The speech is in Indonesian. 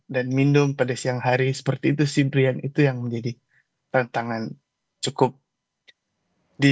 dan minum pada siang hari seperti itu sih brian itu yang menjadi tantangan cukup di sini